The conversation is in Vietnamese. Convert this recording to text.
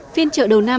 phiên chợ đầu năm